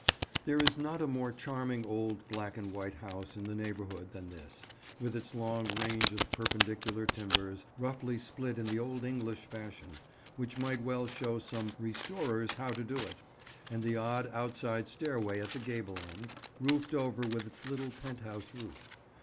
[Picture: Clifford Chambers] There is not a more charming old black and white house in the neighbourhood than this, with its long range of perpendicular timbers, roughly split in the old English fashion, which might well show some "restorers" how to do it; and the odd outside stairway at the gable end, roofed over with its little penthouse roof.